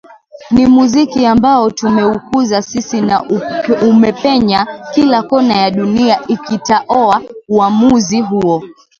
Ni muziki ambao tumeukuza sisi na umepenya kila kona ya dunia Ikitaoa uamuzi huo